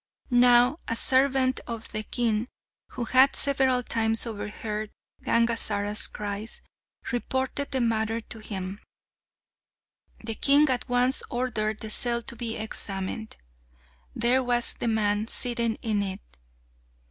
Now a servant of the king who had several times overheard Gangazara's cries, reported the matter to him. The king at once ordered the cell to be examined. There was the man sitting in it.